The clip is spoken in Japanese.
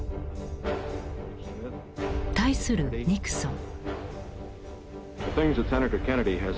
対するニクソン。